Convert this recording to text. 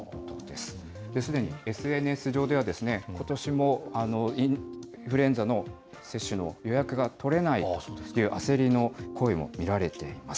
すでにＳＮＳ上では、ことしもインフルエンザの接種の予約が取れないという焦りの声も見られています。